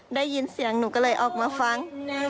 ได้ยินเสียงหนูก็เลยออกมาฟัง